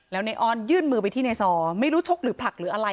แล้วในอ้อนยื่นมือไปที่ในซอไม่รู้ชกหรือผลักหรืออะไร